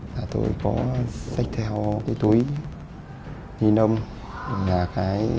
và tôi có sách theo cái túi nhi nông